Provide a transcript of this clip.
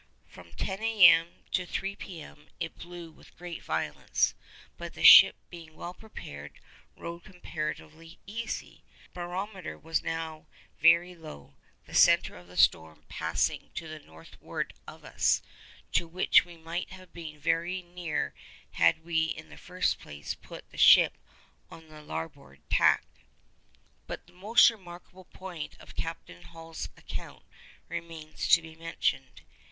From ten A.M. to three P.M. it blew with great violence, but the ship being well prepared, rode comparatively easy. The barometer was now very low, the centre of the storm passing to the northward of us, to which we might have been very near had we in the first place put the ship on the larboard tack. But the most remarkable point of Captain Hall's account remains to be mentioned.